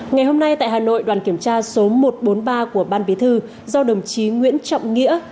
ngày hôm nay tại hà nội đoàn kiểm tra số một trăm bốn mươi ba của ban bí thư do đồng chí nguyễn trọng nghĩa